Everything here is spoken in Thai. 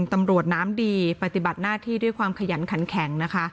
ตำรวจน้ำดีปฏิบัติหน้าที่ด้วยความขยันขันแข็งนะคะ